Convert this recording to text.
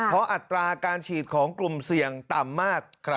เพราะอัตราการฉีดของกลุ่มเสี่ยงต่ำมาก